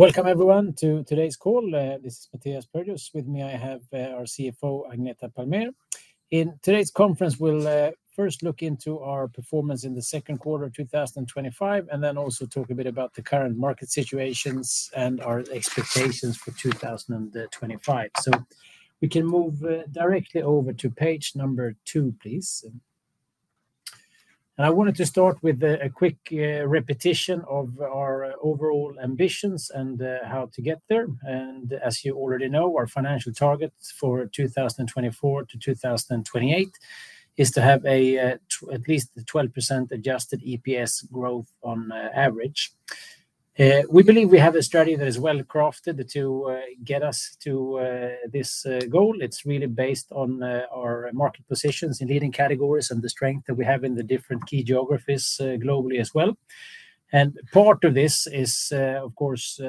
Welcome, everyone, to today's call. This is Matthias Perdius. With me, I have our CFO, Agneta Palmeir. In today's conference, we'll first look into our performance in the second quarter twenty twenty five and then also talk a bit about the current market situations and our expectations for 2025. So we can move directly over to Page two, please. I wanted to start with a quick repetition of our overall ambitions and how to get there. And as you already know, our financial targets for 2024 to 2028 is to have at least 12% adjusted EPS growth on average. We believe we have a strategy that is well crafted to get us to this goal. It's really based on our market positions in leading categories and the strength that we have in the different key geographies globally as well. And part of this is, of course,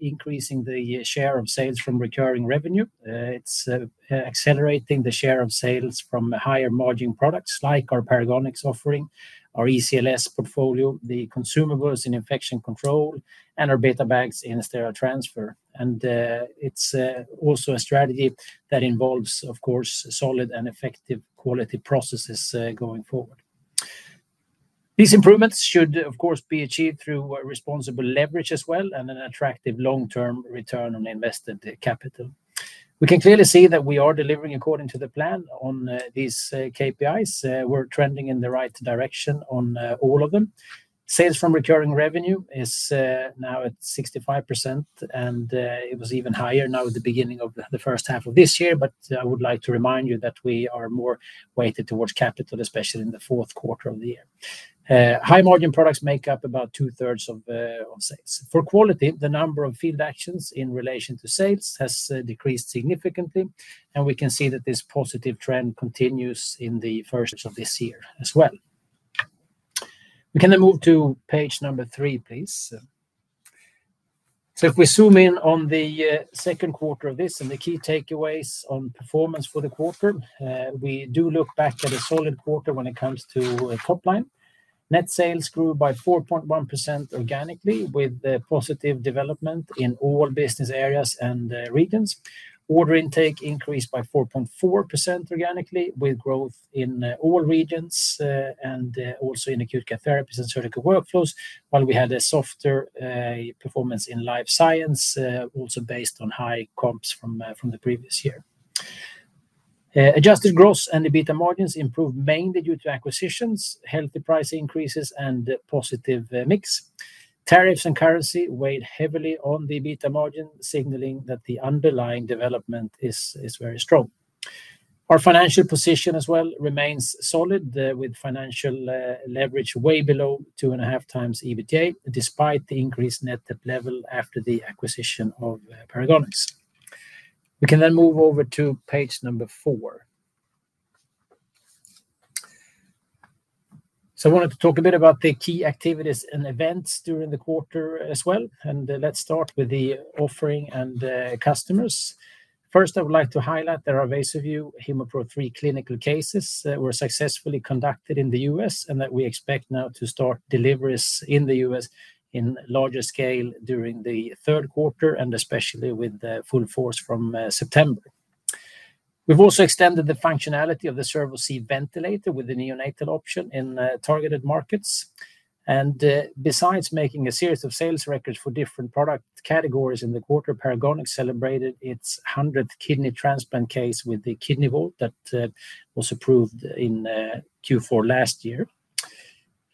increasing the share of sales from recurring revenue. It's accelerating the share of sales from higher margin products like our Paragonix offering, our ECLS portfolio, the consumables in infection control and our beta bags in sterile transfer. And it's also a strategy that involves, of course, solid and effective quality processes going forward. These improvements should, of course, be achieved through responsible leverage as well and an attractive long term return on invested capital. We We can clearly see that we are delivering according to the plan on these KPIs. We're trending in the right direction on all of them. Sales from recurring revenue is now at 65%, and it was even higher now at the beginning of the first half of this year. But I would like to remind you that we are more weighted towards capital, especially in the fourth quarter of the year. High margin products make up about twothree of sales. For quality, the number of field actions in relation to sales has decreased significantly, and we can see that this positive trend continues in the first of this year as well. We can then move to Page three, please. So if we zoom in on the second quarter of this and the key takeaways on performance for the quarter, we do look back at a solid quarter when it comes to top line. Net sales grew by four point organically with positive development in all business areas and regions. Order intake increased by 4.4% organically with growth in all regions and also in Acute Care Therapies and Surgical Workflows, while we had a softer performance in Life Science, also based on high comps from the previous year. Adjusted gross and EBITDA margins improved mainly due to acquisitions, healthy price increases and positive mix. Tariffs and currency weighed heavily on the EBITA margin, signaling that the underlying development is very strong. Our financial position as well remains solid with financial leverage way below 2.5x EBITDA despite the increased net debt level after the acquisition of Paragonix. We can then move over to Page number four. So I wanted to talk a bit about the key activities and events during the quarter as well. And let's start with the offering and customers. First, I would like to highlight that our Vasovu Hemopro III clinical cases were successfully conducted in The U. S. And that we expect now to start deliveries in The U. S. In larger scale during the third quarter and especially with full force from September. We've also extended the functionality of the Servo C ventilator with the neonatal option in targeted markets. And besides making a series of sales records for different product categories in the quarter, Paragonics celebrated its one hundredth kidney transplant case with the KidneyVault that was approved in Q4 last year.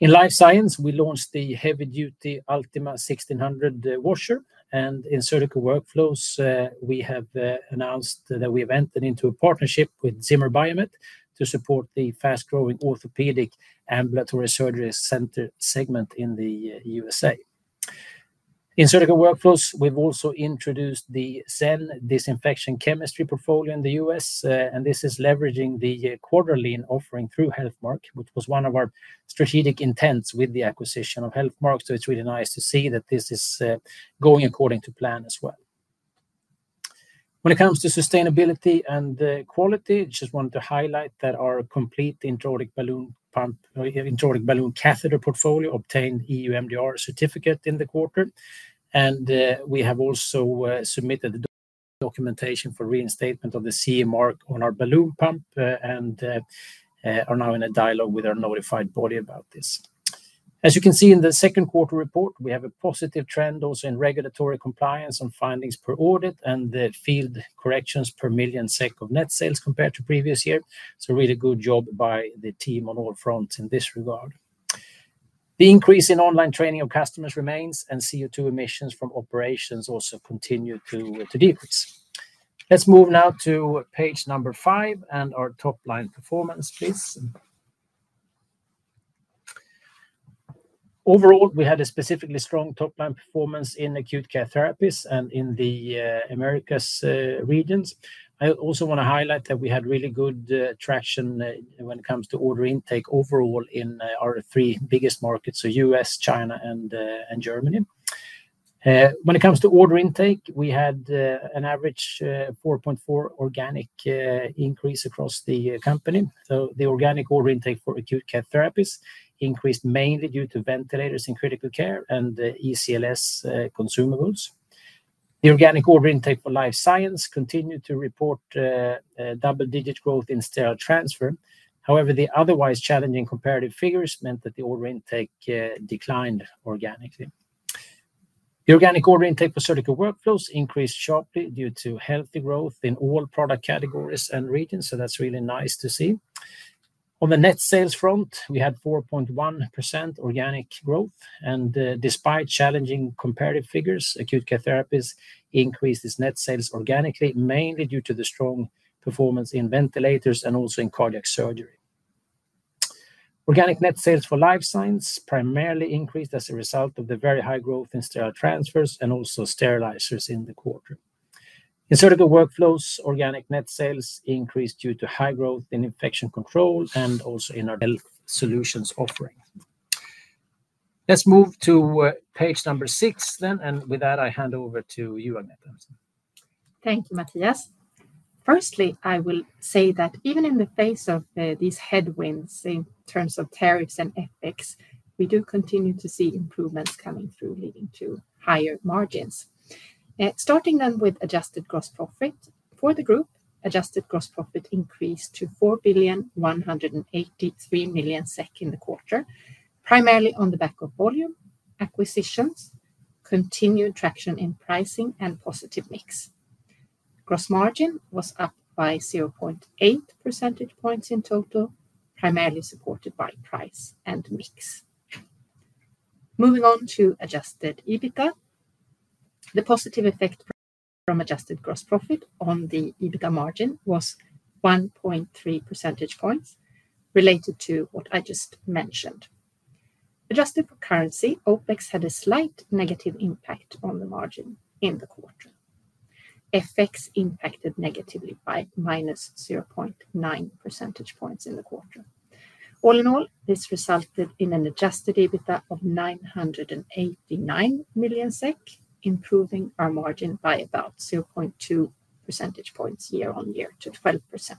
In Life Science, we launched the heavy duty Ultima 1,600 washer. And in Surgical Workflows, we have announced that we have entered into a partnership with Zimmer Biomet to support the fast growing Orthopedic Ambulatory Surgery Center segment in The USA. In Surgical Workflows, we've also introduced the Zen disinfection chemistry portfolio in The U. S. And this is leveraging the quarterly offering through HealthMark, which was one of our strategic intents with the acquisition of HealthMark. So it's really nice to see that this is going according to plan as well. When it comes to sustainability and quality, just wanted to highlight that our complete intra aortic balloon catheter portfolio obtained EU MDR certificate in the quarter. And we have also submitted the documentation for reinstatement of the CE Mark on our balloon pump and are now in a dialogue with our notified body about this. As you can see in the second quarter report, we have a positive trend also in regulatory compliance and findings per audit and the field corrections per million SEK of net sales compared to previous year. So really good job by the team on all fronts in this regard. The increase in online training of customers remains and CO2 emissions from operations also continue to decrease. Let's move now to Page number five and our top line performance, please. Overall, we had a specifically strong top line performance in Acute Care Therapies and in The Americas regions. I also want to highlight that we had really good traction when it comes to order intake overall in our three biggest markets, so U. S, China and Germany. When it comes to order intake, we had an average 4.4% organic increase across the company. So the organic order intake for Acute Care Therapies increased mainly due to ventilators in Critical Care and ECLS consumables. The organic order intake for Life Science continued to report double digit growth in sterile transfer. However, the otherwise challenging comparative figures meant that the order intake declined organically. The organic order intake for Surgical Workflows increased sharply due to healthy growth in all product categories and regions, so that's really nice to see. On the net sales front, we had 4.1% organic growth. And despite challenging comparative figures, Acute Care Therapies increased its net sales organically, mainly due to the strong performance in ventilators and also in cardiac surgery. Organic net sales for Life Science primarily increased as a result of the very high growth in sterile transfers and also sterilizers in the quarter. Insertical Workflows organic net sales increased due to high growth in infection control and also in our health solutions offering. Let's move to Page number six then. And with that, I hand over to you, Annette. Thank you, Matthias. Firstly, I will say that even in the face of these headwinds in terms of tariffs and FX, we do continue to see improvements coming through leading to higher margins. Starting then with adjusted gross profit. For the group, adjusted gross profit increased to 4,183,000,000.000 SEK in the quarter, primarily on the back of volume, acquisitions, continued traction in pricing and positive mix. Gross margin was up by 0.8 percentage points in total, primarily supported by price and mix. Moving on to adjusted EBITDA, The positive effect from adjusted gross profit on the EBITDA margin was 1.3 percentage points related to what I just mentioned. Adjusted for currency, OpEx had a slight negative impact on the margin in the quarter. FX impacted negatively by minus 0.9 percentage points in the quarter. All in all, this resulted in an adjusted EBITDA of $989,000,000, improving our margin by about 0.2 percentage points year on year to 12%.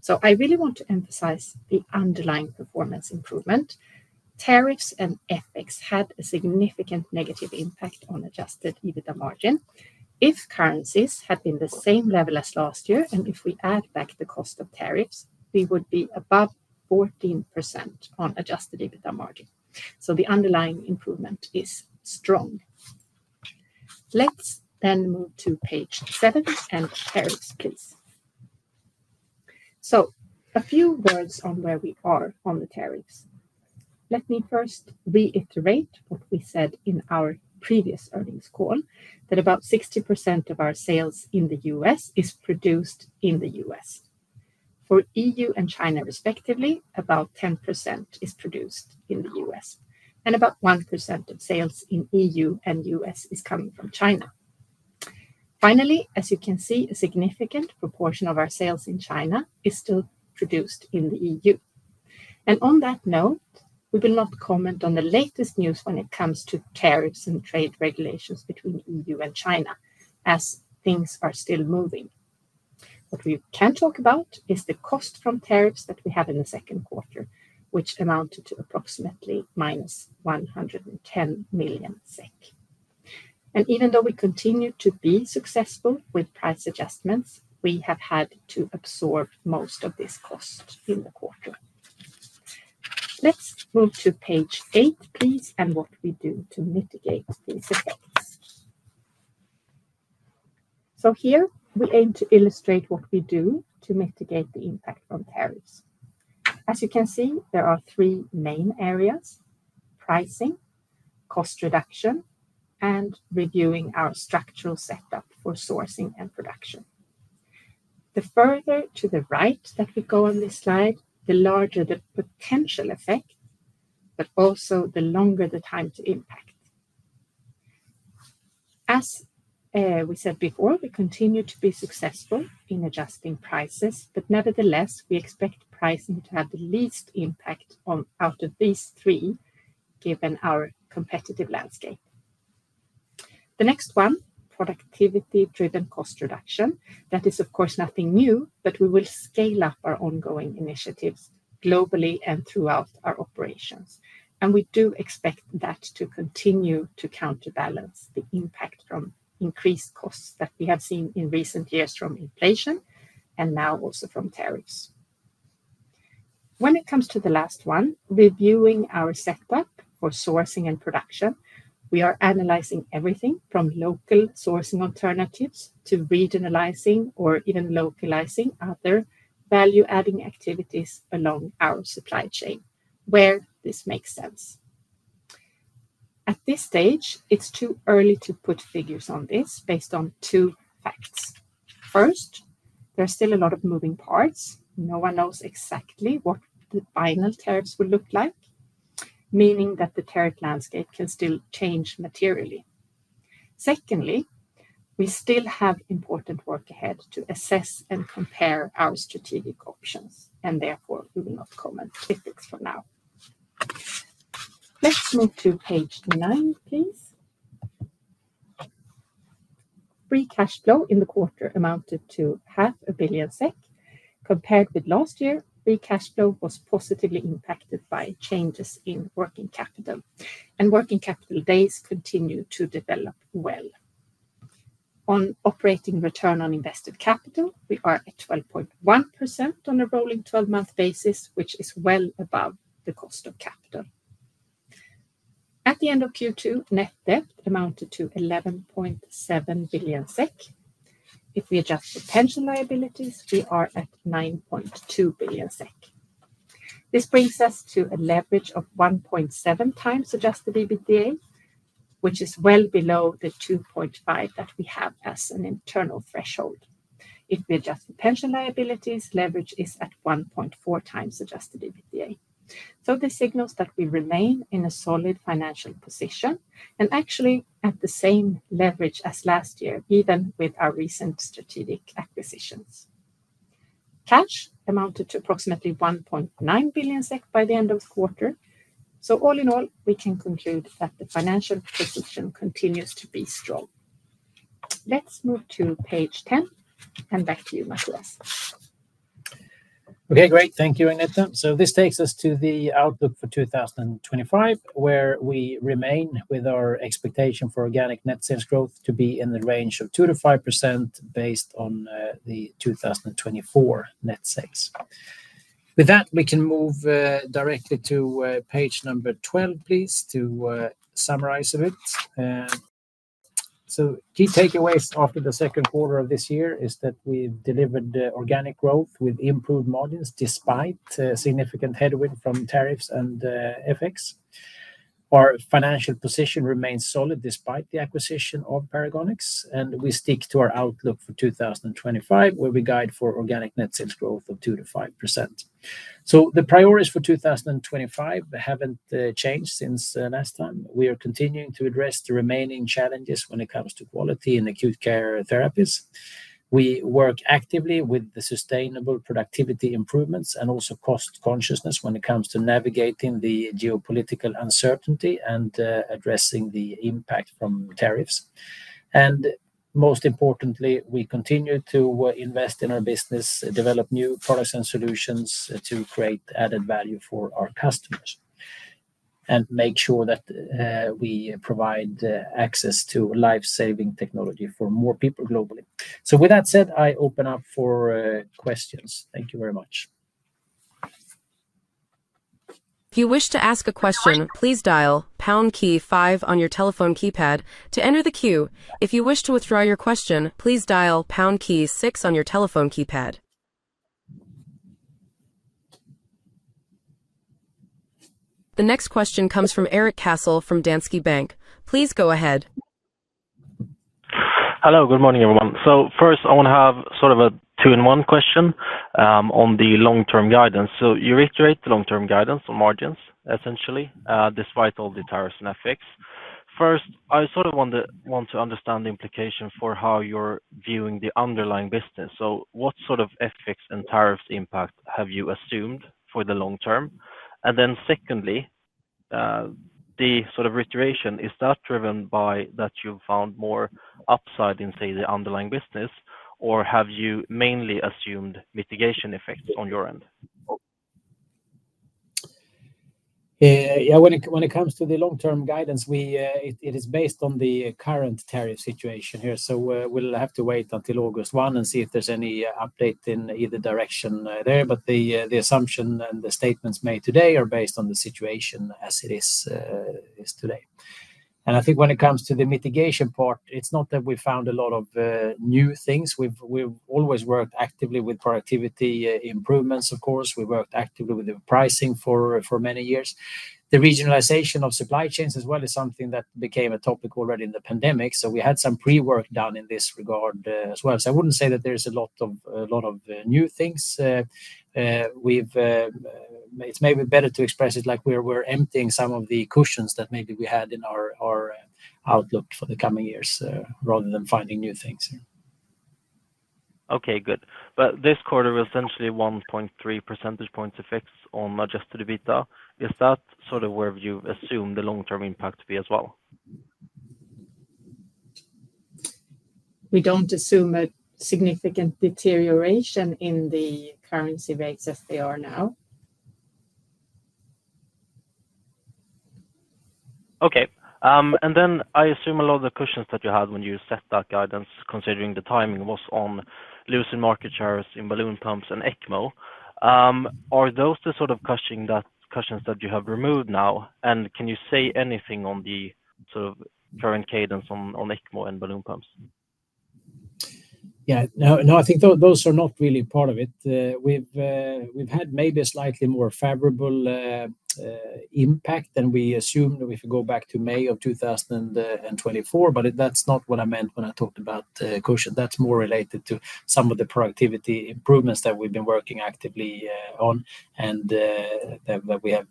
So I really want to emphasize the underlying performance improvement. Tariffs and FX had a significant negative impact on adjusted EBITDA margin. If currencies had been the same level as last year and if we add back the cost of tariffs, we would be above 14% on adjusted EBITDA margin. So the underlying improvement is strong. Let's then move to page seven and tariffs, please. So a few words on where we are on the tariffs. Let me first reiterate what we said in our previous earnings call that about 60% of our sales in The US is produced in The US. For EU and China respectively, about 10% is produced in The US and about 1% of sales in EU and US is coming from China. Finally, as you can see, a significant proportion of our sales in China is still produced in The EU. And on that note, we will not comment on the latest news when it comes to tariffs and trade regulations between EU and China as things are still moving. What we can talk about is the cost from tariffs that we have in the second quarter, which amounted to approximately minus 110,000,000 SEK. And even though we continue to be successful with price adjustments, we have had to absorb most of this cost in the quarter. Let's move to page eight, please, and what we do to mitigate these effects. So here, we aim to illustrate what we do to mitigate the impact from tariffs. As you can see, there are three main areas, pricing, cost reduction and reviewing our structural setup for sourcing and production. The further to the right that we go on this slide, the larger the potential effect, but also the longer the time to impact. As we said before, we continue to be successful in adjusting prices, but nevertheless, we expect pricing to have the least impact on out of these three given our competitive landscape. The next one, productivity driven cost reduction. That is of course nothing new, but we will scale up our ongoing initiatives globally and throughout our operations. And we do expect that to continue to counterbalance the impact from increased costs that we have seen in recent years from inflation and now also from tariffs. When it comes to the last one, reviewing our setup for sourcing and production, we are analyzing everything from local sourcing alternatives to regionalizing or even localizing other value adding activities along our supply chain where this makes sense. At this stage, it's too early to put figures on this based on two facts. First, there's still a lot of moving parts. No one knows exactly what the final tariffs would look like, meaning that the tariff landscape can still change materially. Secondly, we still have important work ahead to assess and compare our strategic options and therefore we will not comment specifics for now. Let's move to page nine please. Free cash flow in the quarter amounted to 0.5 billion SEK compared with last year, free cash flow was positively impacted by changes in working capital and working capital days continue to develop well. On operating return on invested capital, we are at 12.1% on a rolling twelve month basis, which is well above the cost of capital. At the end of Q2, net debt amounted to 11,700,000,000.0 SEK. If we adjust the pension liabilities, we are at 9,200,000,000.0 SEK. This brings us to a leverage of 1.7 times adjusted EBITDA, which is well below the 2.5 that we have as an internal threshold. If we adjust the pension liabilities, leverage is at 1.4 times adjusted EBITDA. So this signals that we remain in a solid financial position and actually at the same leverage as last year even with our recent strategic acquisitions. Cash amounted to approximately 1.9 billion SEK by the end of the quarter. So all in all, we can conclude that the financial position continues to be strong. Let's move to Page 10 and back to you, Matthias. Okay, great. Thank you, Agnetha. So this takes us to the outlook for 2025, where we remain with our expectation for organic net sales growth to be in the range of 2% to 5% based on the 2024 net sales. With that, we can move directly to Page 12, please, to summarize a bit. So key takeaways after the second quarter of this year is that we delivered organic growth with improved margins despite significant headwind from tariffs and FX. Our financial position remains solid despite the acquisition of Paragonix, and we stick to our outlook for 2025, where we guide for organic net sales growth of 2% to 5%. So the priorities for 2025 haven't changed since last time. We are continuing to address the remaining challenges when it comes to quality and acute care therapies. We work actively with the sustainable productivity improvements and also cost consciousness when it comes to navigating the geopolitical uncertainty and addressing the impact from tariffs. And most importantly, we continue to invest in our business, develop new products and solutions to create added value for our customers and make sure that we provide access to life saving technology for more people globally. So with that said, I open up for questions. Thank you very The next question comes from Erik Cassel from Danske Bank. So first, I want to have sort of a two in one question on the long term guidance. So you reiterate the long term guidance on margins essentially despite all the tariffs and FX. First, I sort of want to understand the implication for how you're viewing the underlying business. So what sort of FX and tariffs impact have you assumed for the long term? And then secondly, the sort of reiteration, is that driven by that you found more upside in, say, the underlying business? Or have you mainly assumed mitigation effects on your end? Yes. When it comes to the long term guidance, we it is based on the current tariff here. So we'll have to wait until August 1 and see if there's any update in either direction there. But the assumption and the statements made today are based on the situation as it is today. And I think when it comes to the mitigation part, it's not that we found a lot of new things. We've always worked actively with productivity improvements, of course. We worked actively with the pricing for many years. The regionalization of supply chains as well is something that became a topic already in the pandemic. So we had some pre work done in this regard as well. So I wouldn't say that there's a lot of new things. We've it's maybe better to express it like we're emptying some of the cushions that maybe we had in our outlook for the coming years rather than finding new things. Okay, good. But this quarter, essentially 1.3 percentage points effects on adjusted EBITDA. Is that sort of where you assume the long term impact to be as well? We don't assume a significant deterioration in the currency rates as they are now. Okay. And then I assume a lot of the cushions that you had when you set that guidance, considering the timing was on losing market shares in balloon pumps and ECMO. Are those the sort of cushions that you have removed now? And can you say anything on the sort of current cadence on ECMO and balloon pumps? Yes. No, I think those are not really part of it. We've had maybe a slightly more favorable impact than we assumed that we could go back to May, but that's not what I meant when I talked about cushion. That's more related to some of the productivity improvements that we've been working actively on and that we have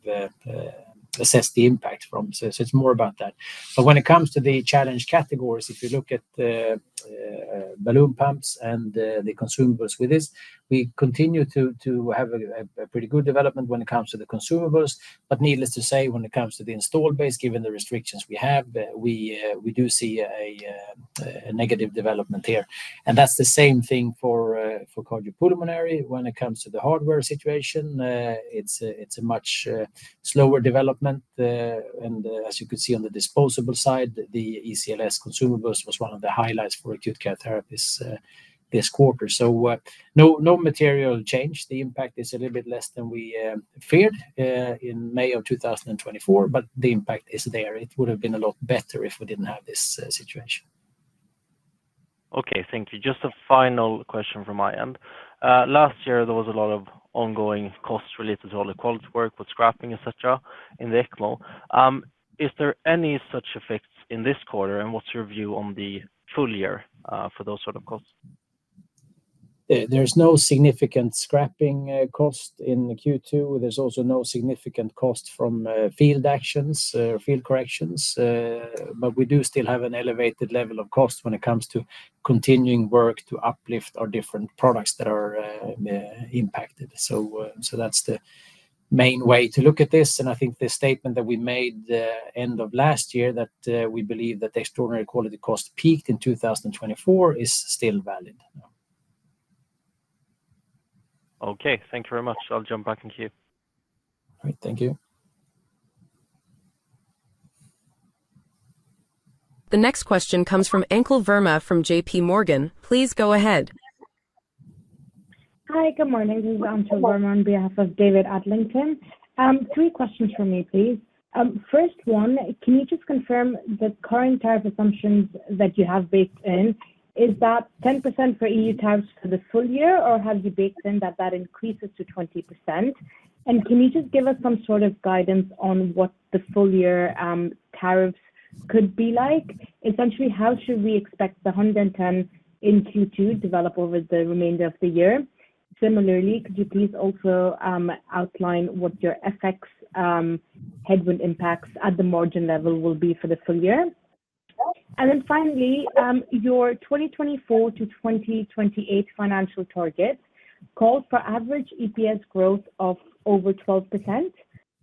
assessed the impact from. So it's more about that. But when it comes to the challenged categories, if you look at balloon pumps and the consumables with this, We continue to have a pretty good development when it comes to the consumables. But needless to say, when it comes to the installed base, given the restrictions we have, we do see a negative development here. And that's the same thing for cardiopulmonary. When it comes to the hardware situation, it's a much slower development. And as you could see on the disposable side, the ECLS consumables was one of the highlights for Acute Care Therapies this quarter. So no material change. The impact is a little bit less than we feared in May, but the impact is there. It would have been a lot better if we didn't have this situation. Okay. Thank you. Just a final question from my end. Last year, there was a lot of ongoing costs related to all the quality work with scrapping, etcetera, in the ECMO. Is there any such effects in this quarter? And what's your view on the full year for those sort of costs? There's no significant scrapping cost in Q2. There's also no significant cost from field actions field corrections. But we do still have an elevated level of cost when it comes to continuing work to uplift our different products that are impacted. So that's the main way to look at this. And I think the statement that we made end of last year that we believe that the extraordinary quality cost peaked in 2024 is still valid. The next question comes from Ankul Verma from JPMorgan. Please go ahead. Hi, good morning. This is Ankul Verma on behalf of David Adlington. Three questions for me, please. First one, can you just confirm the current tariff assumptions that you have baked in? Is that 10% for EU tariffs for the full year? Or have you baked in that, that increases to 20%? And can you just give us some sort of guidance on what the full year tariffs could be like? Essentially, how should we expect the $110,000,000 in Q2 develop over the remainder of the year? Similarly, could you please also outline what your FX headwind impacts at the margin level will be for the full year? And then finally, your twenty twenty four to twenty twenty eight financial targets called for average EPS growth of over 12%.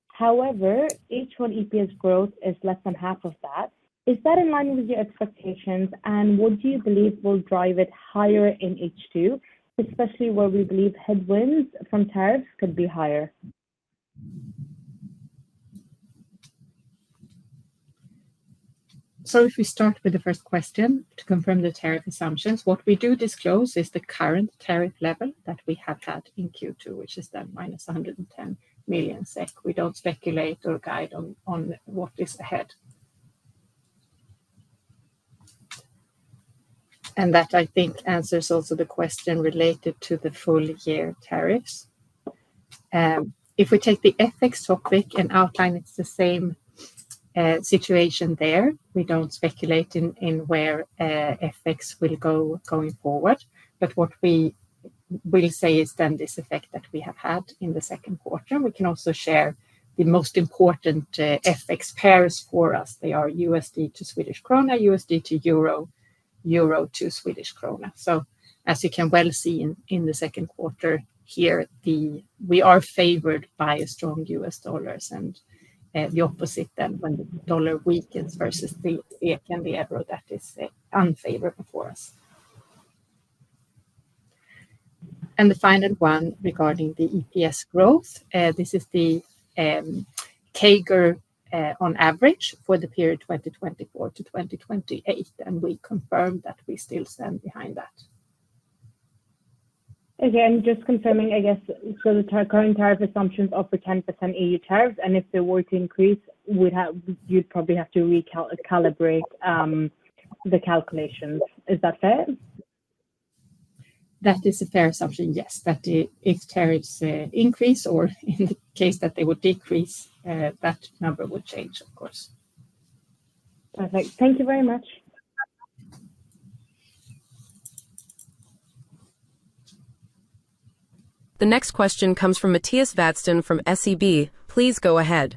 However, H1 EPS growth is less than half of that. Is that in line with your expectations? And what do you believe will drive it higher in H2, especially where we believe headwinds from tariffs could be higher? So if we start with the first question to confirm the tariff assumptions, what we do disclose is the current tariff level that we have had in q two, which is then minus a 110,000,000 SEK. We don't speculate or guide on on what is ahead. And that I think answers also the question related to the full year tariffs. If we take the FX topic and outline it's the same situation there. We don't speculate in where FX will go going forward. But what we will say is then this effect that we have had in the second quarter. We can also share the most important FX pairs for us. They are USD to Swedish krona, USD to euro, euro to Swedish krona. So as you can well see in the second quarter here, we are favored by a strong US dollars and the opposite then when the dollar weakens versus the EKB ever that is unfavorable for us. And the final one regarding the EPS growth, this is the CAGR on average for the period 2024 to 2028 and we confirm that we still stand behind that. Again, just confirming, I guess, so the current tariff assumptions of the 10% EU tariffs, and if there were to increase, we'd have you'd probably have to recalibrate the calculations. Is that fair? That is a fair assumption. Yes. That the if tariffs increase or in the case that they would decrease, that number would change, of course. Perfect. Thank you very much. The next question comes from Matthias Vatston from SEB. Please go ahead.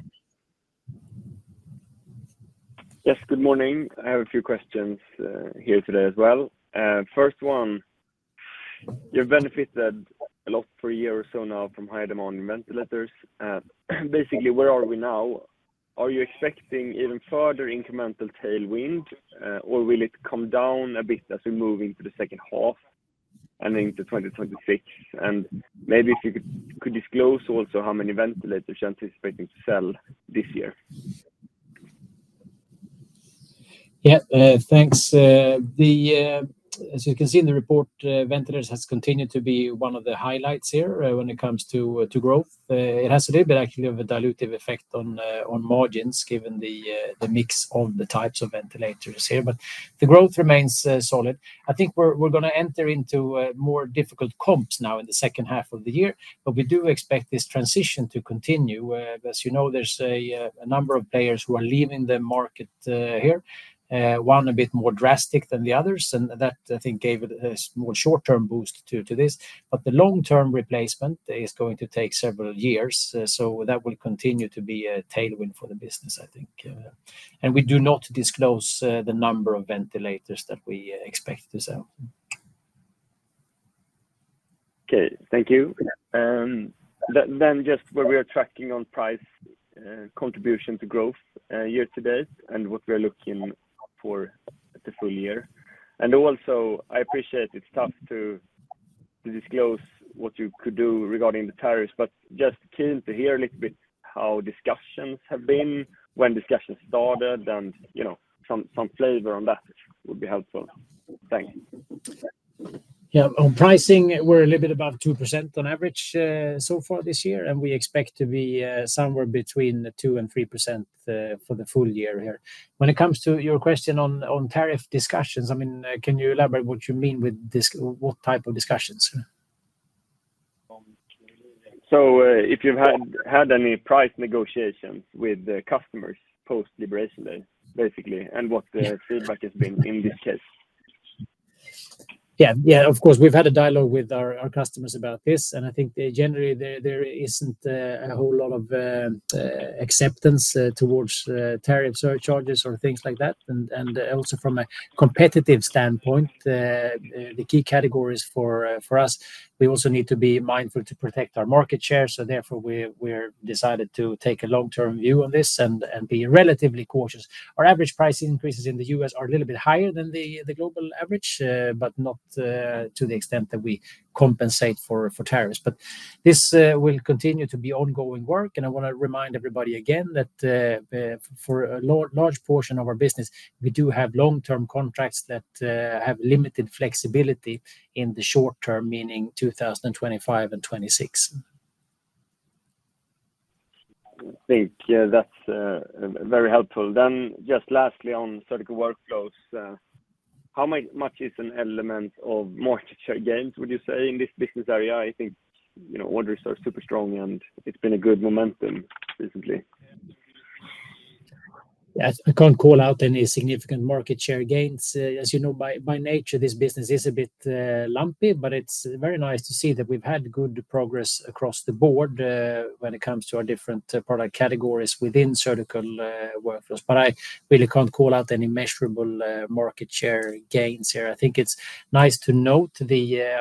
Yes, good morning. I have a few questions here today as well. First one, you've benefited a lot for a year or so now from higher demand in ventilators. Basically, where are we now? Are you expecting even further incremental tailwind? Or will it come down a bit as we move into the second half and into 2026? And maybe if you could disclose also how many ventilators you're anticipating to sell this year? Yes. Thanks. The as you can see in the report, ventilators has continued to be one of the highlights here when it comes to growth. It has a little bit actually of a dilutive effect on margins given the mix of the types of ventilators here. But the growth remains solid. I think we're going to enter into more difficult comps now in the second half of the year, but we do expect this transition to continue. As you know, there's a number of players who are leaving the market here, one a bit more drastic than the others. And that, I think, gave a small short term boost to this. But the long term replacement is going to take several years. So that will continue to be a tailwind for the business, I think. And we do not disclose the number of ventilators that we expect to sell. Okay. Thank you. And then just where we are tracking on price contribution to growth year to date and what we are looking for the full year. And also, I appreciate it's tough to disclose what you could do regarding the tariffs, but just keen to hear a little bit how discussions have been, when discussions started and some flavor on that would be helpful. Yes. On pricing, we're a little bit above 2% on so far this year, and we expect to be somewhere between 23% for the full year here. When it comes to your question on tariff discussions, I mean, can you elaborate what you mean with this what type of discussions? So if you've had any price negotiations with customers post liberation, basically, and what the feedback has been in this case? Yes. Of course, we've had a dialogue with our customers about this. And I think generally, there isn't a whole lot of acceptance towards tariff surcharges or things like that. And also from a competitive standpoint, the key categories for us, we also need to be mindful to protect our market share. So therefore, we decided to take a long term view on this and be relatively cautious. Our average price increases in The U. S. Are a little bit higher than the global average, but not to the extent that we compensate for tariffs. But this will continue to be ongoing work. And I want to remind everybody again that for a large portion of our business, we do have long term contracts that have limited flexibility in the short term, meaning 2025 and 2026. Thank you. That's very helpful. Then just lastly on Surgical Workflows. How much is an element of market share gains, would you say, in this business area? I think orders are super strong, and it's been a good momentum recently. Yes. I can't call out any significant market share gains. As you know, by nature, this business is a bit lumpy, but it's very nice to see that we've had good progress across the board when it comes to our different product categories within Surgical Workflows. But I really can't call out any measurable market share gains here. I think it's nice to note the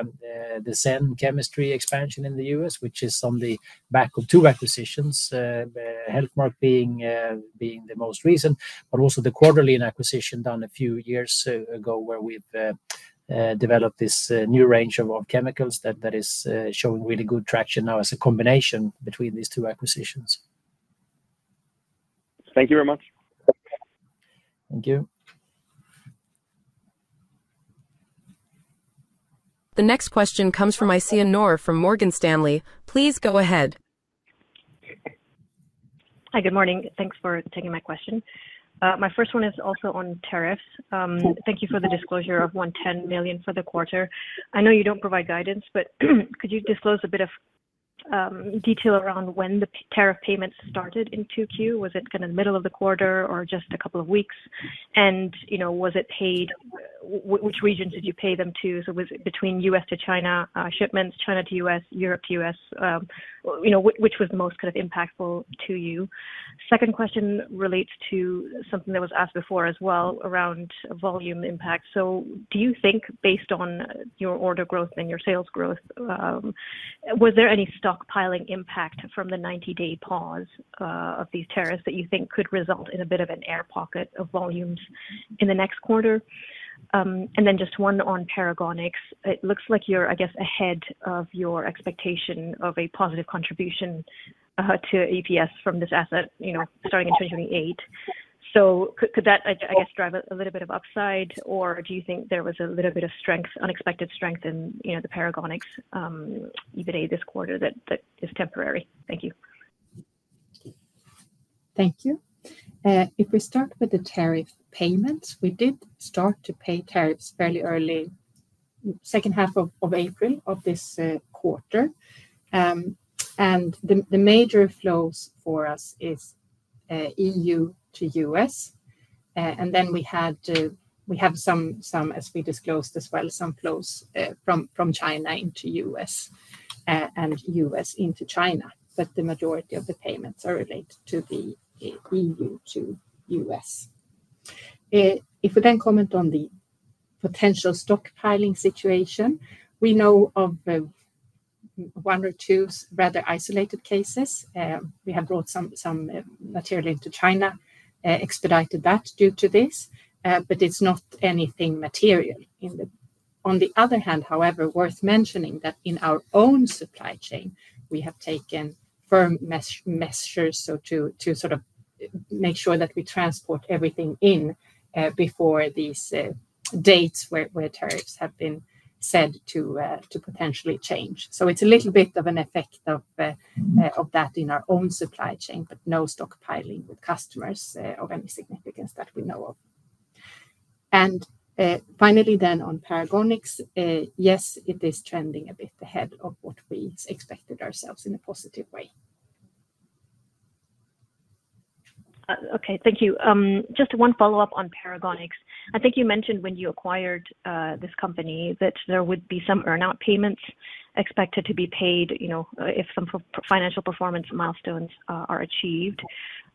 Zen chemistry expansion in The U. S, which is on the back of two acquisitions, HealthMark being the most recent, but also the quarterly acquisition done a few years ago where we've developed this new range of chemicals that is showing really good traction now as a combination between these two acquisitions. The next question comes from Aesiya Noor from Morgan Stanley. Hi, good morning. Thanks for taking my question. My first one is also on tariffs. Thank you for the disclosure of $110,000,000 for the quarter. I know you don't provide guidance, but could you disclose a bit of detail around when the tariff payments started in 2Q? Was it kind of middle of the quarter or just a couple of weeks? And was it paid which regions did you pay them to? So was it between U. S. To China shipments, China to U. S, Europe which was most kind of impactful to you? Second question relates to something that was asked before as well around volume impact. So do you think based on your order growth and your sales growth, was there any stockpiling impact from the ninety day pause of these tariffs that you think could result in a bit of an air pocket of volumes in the next quarter? And then just one on Paragonics. It looks like you're, I guess, ahead of your expectation of a positive contribution to EPS from this asset starting in 2028. So could that, I guess, drive a little bit of upside? Or do you think there was a little bit of strength unexpected strength in the Paragonics EBITDA this quarter that is temporary? Thank you. Thank you. If we start with the tariff payments, we did start to pay tariffs fairly early April of this quarter. The major flows for us is EU to US. And then we had to we have some as we disclosed as well some flows from China into US and US into China. But the majority of the payments are related to the EU to US. If we then comment on the potential stockpiling situation, we know of one or two rather isolated cases. We have brought some material into China, expedited that due to this, but it's not anything material. On the other hand, however, worth mentioning that in our own supply chain, we have taken firm measures so to sort of make sure that we transport everything in before these dates where where tariffs have been said to to potentially change. So it's a little bit of an effect of of that in our own supply chain, but no stock piling with customers of any significance that we know of. And finally then on Paragonics, yes, it is trending a bit ahead of what we expected ourselves in a positive way. Okay. Thank you. Just one follow-up on Paragonics. I think you mentioned when you acquired this company that there would be some earn out payments expected to be paid, you know, if some financial performance milestones are achieved.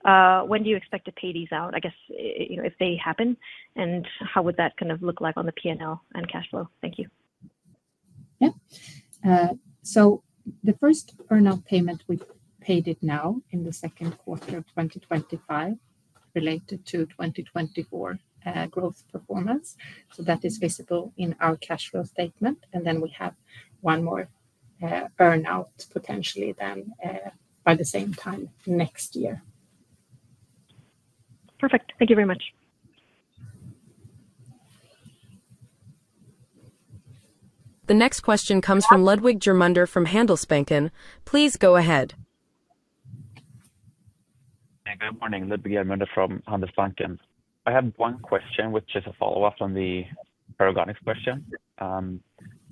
When do you expect to pay these out, I guess, if they happen? And how would that kind of look like on the P and L and cash flow? Thank you. Yes. So the first earn out payment we paid it now in the 2025 related to 2024 growth performance. So that is visible in our cash flow statement. And then we have one more earn out potentially then by the same time next year. Perfect. Thank you very much. The next question comes from Ludwig Germander from Handelsbanken. Please go ahead. Ludwig Germunde from Handelsbanken. Have one question, which is a follow-up on the Paragonics question.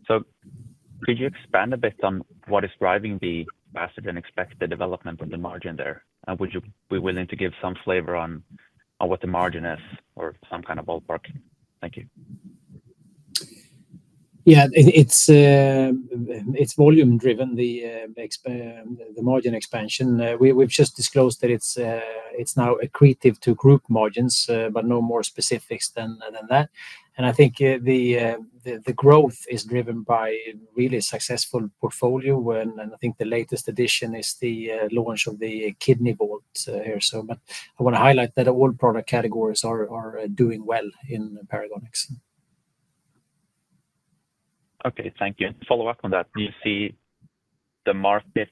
So could you expand a bit on what is driving the faster than expected development of the margin there? And would you be willing to give some flavor on what the margin is or some kind of ballpark? Thank you. Yes. It's volume driven, the margin expansion. We've just disclosed that it's now accretive to group margins, but no more specifics than that. And I think the growth is driven by really successful portfolio. And I think the latest addition is the launch of the kidney vault here. So but I want to highlight that all product categories are doing well in Paragonix. Okay. And a follow-up on that. Do you see the market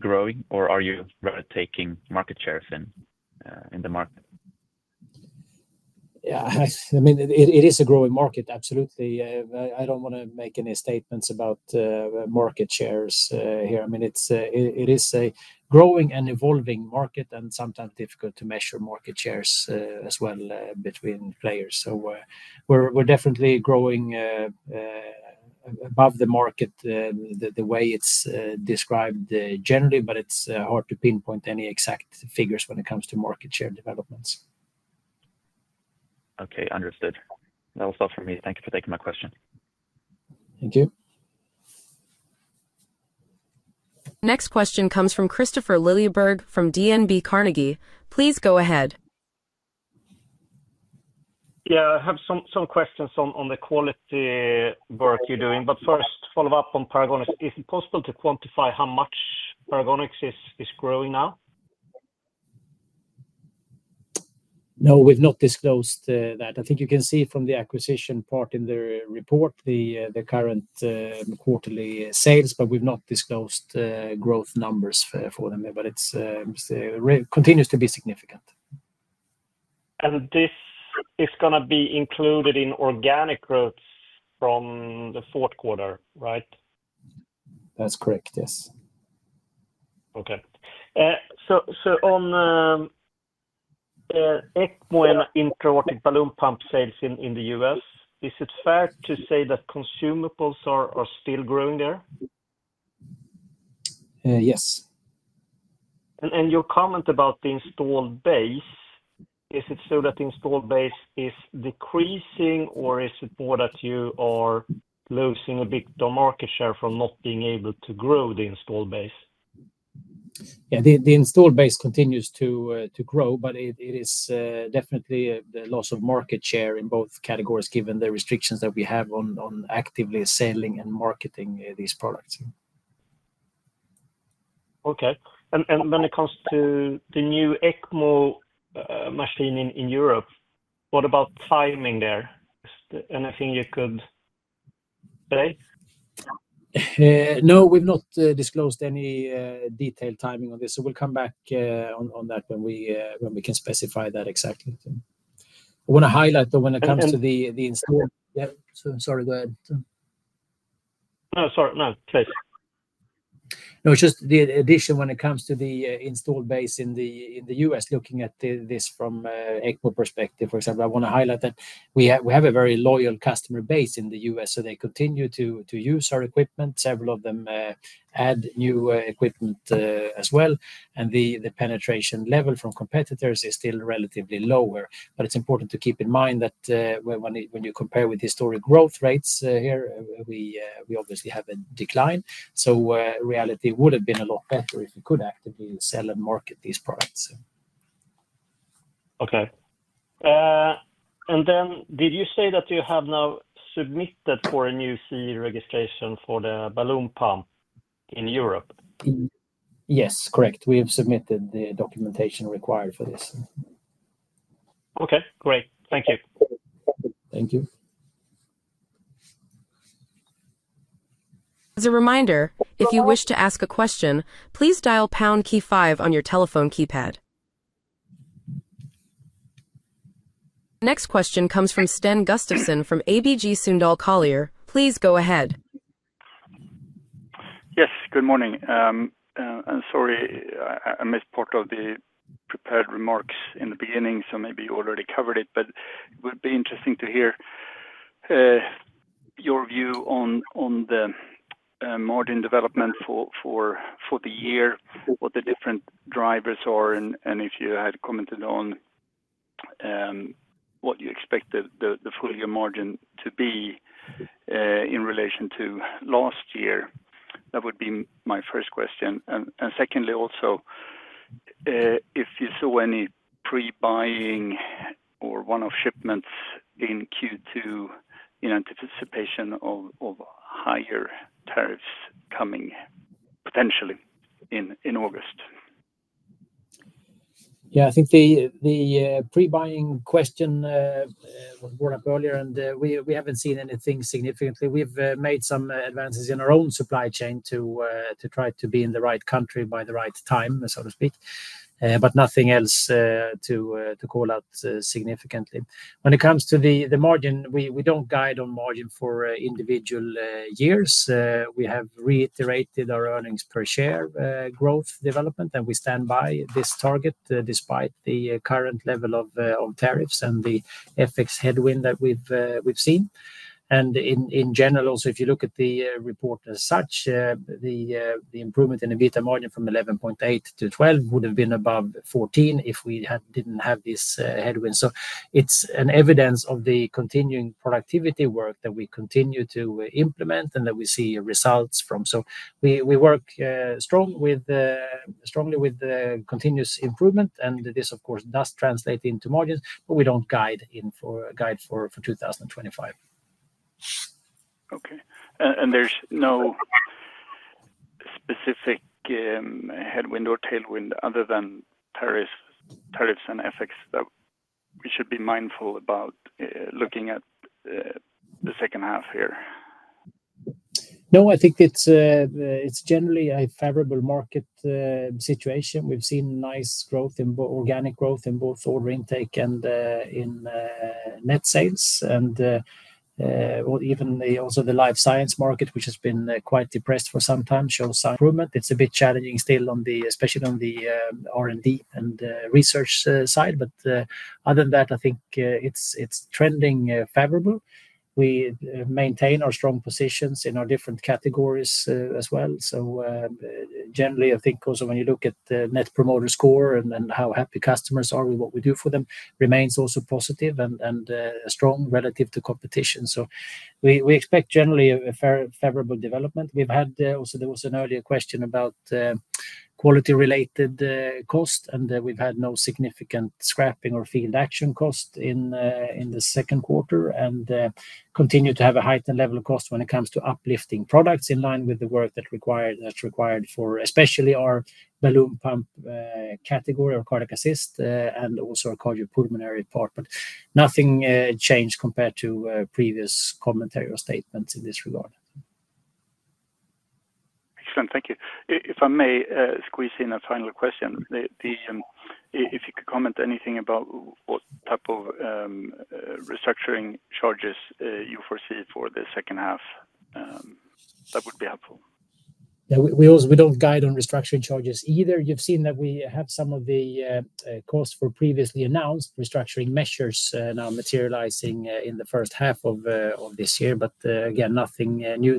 growing? Or are you rather taking market shares in the market? Yes. I mean, it is a growing market, absolutely. I don't want to make any statements about market shares here. I mean, it is a growing and evolving market and sometimes difficult to measure market shares as well between players. So we're definitely growing above the market way it's described generally, but it's hard to pinpoint any exact figures when it comes to market share developments. Okay, understood. That was all for me. Thank you for taking my question. Thank you. Next question comes from Christopher Lilleborg from DNB Carnegie. Please go ahead. Yeah. I have some questions on the quality work you're doing. But first, follow-up on Paragonix. Is it possible to quantify how much Paragonix is growing now? No, we've not disclosed that. I think you can see from the acquisition part in the report the current quarterly sales, but we've not disclosed growth numbers for them. But it continues to be significant. And this is going to be included in organic growth from the fourth quarter, right? That's correct, yes. Okay. So so on, ECMO and intra aortic balloon pump sales in in The US, is it fair to say that consumables are are still growing there? Yes. And your comment about the installed base, is it so that the installed base is decreasing? Or is it more that you are losing a bit the market share from not being able to grow the installed base? Yes. The installed base continues to grow, but it is definitely the loss of market share in both categories given the restrictions that we have on actively selling and marketing these products. Okay. And when it comes to the new ECMO machine in Europe, what about timing there? Anything you could say? No. We've not disclosed any detailed timing on this. So we'll come back on that when we can specify that exactly. I wanna highlight that when it comes to the installed sorry, go ahead. Sorry. No, please. No, it's just the addition when it comes to the installed base in The U. S. Looking at this from an ECO perspective, for example, I want to highlight that we have a very loyal customer base in The U. S. So they continue to use our equipment. Several of them add new equipment as well. And the penetration level from competitors is still relatively lower. But it's important to keep in mind that when you compare with historic growth rates here, we obviously have a decline. So reality would have been a lot better if we could sell and market these products. Okay. And then did you say that you have now submitted for a new CE registration for the balloon pump in Europe? Yes, correct. We have submitted the documentation required for this. Okay, great. Thank you. Thank you. Next question comes from Sten Gustafsson from ABG Sundal Collier. Please go ahead. Yes, good morning. I'm sorry, I missed part of the prepared remarks in the beginning, so maybe you already covered it. But it would be interesting to hear your view on the margin development for the year, what the different drivers are and if you had commented on what you expect the full year margin to be in relation to last year? That would be my first question. And secondly, also, if you saw any pre buying or one off shipments in Q2 in anticipation of higher tariffs coming potentially in August? Yes. Think the prebuying question was brought up earlier, and we haven't seen anything significantly. We've made some advances in our own supply chain to try to be in the right country by the right time, so to speak, but nothing else to call out significantly. When it comes to the margin, we don't guide on margin for individual years. We have reiterated our earnings per share growth development, and we stand by this target despite the current level of tariffs and the FX headwind that we've seen. And in general, also if you look at the report as such, the improvement in EBITDA margin from 11.8% to 12% would have been above 14% if we didn't have this headwind. So it's an evidence of the continuing productivity work that we continue to implement and that we see results from. So we work strongly with the continuous improvement. And this, of course, does translate into margins, but we don't guide in for guide for 2025. Okay. And there's no specific headwind or tailwind other than tariffs and FX that we should be mindful about looking at the second half here? No, I think it's generally a favorable market situation. We've seen nice growth in organic growth in both order intake and in net sales. And even also the Life Science market, which has been quite depressed for some time, shows some improvement. It's a bit challenging still on the especially on the R and D and research side. But other than that, I think it's trending favorable. We maintain our strong positions in our different categories as well. So generally, I think also when you look at Net Promoter Score and how happy customers are with what we do for them, remains also positive and strong relative to competition. So we expect generally a favorable development. We've had also there was an earlier question about quality related costs, and we've had no significant scrapping or field action costs in the second quarter and continue to have a heightened level of cost when it comes to uplifting products, in line with the work that's required for especially our balloon pump category or cardiac assist and also our cardiopulmonary part. But nothing changed compared to previous commentary or statements in this regard. Excellent. Thank you. If I may squeeze in a final question, the if you could comment anything about what type of restructuring charges you foresee for the second half, that would be helpful. Yes. We also we don't guide on restructuring charges either. You've seen that we have some of the costs for previously announced restructuring measures now materializing in the first half of this year, but again, nothing new.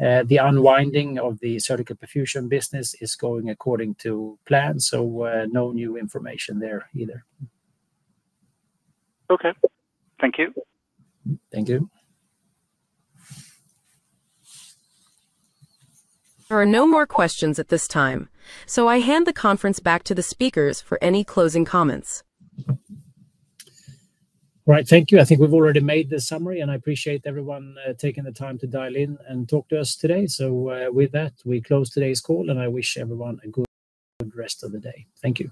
The unwinding of the Surgical Perfusion business is going according to plan. So no new information there either. Okay. Thank you. Thank you. There are no more questions at this time. So I hand the conference back to the speakers for any closing comments. Right. Thank you. I think we've already made the summary, and I appreciate everyone taking the time to dial in and talk to us today. So with that, we close today's call, and I wish everyone a good rest of the day. Thank you.